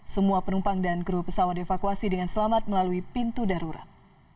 semua penumpang dan kru pesawat dievakuasi dengan selamat melalui pintu darurat